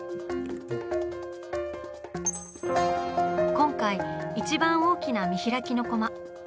今回一番大きな見開きのコマ。